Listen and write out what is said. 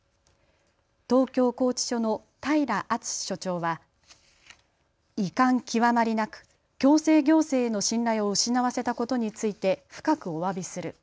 東京拘置所の平良敦志所長は遺憾極まりなく矯正行政への信頼を失わせたことについて深くおわびする。